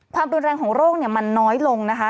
ความรุนแรงของโรคเนี่ยมันน้อยลงนะคะ